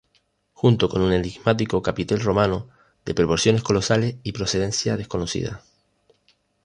Junto con un enigmático capitel romano, de proporciones colosales y procedencia desconocida.